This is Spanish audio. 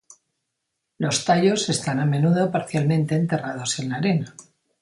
Los tallos están a menudo parcialmente enterrados en la arena.